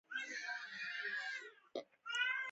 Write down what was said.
د واکمنانو پر قدرت د کنټرول هېڅ څرک نه لیدل کېږي.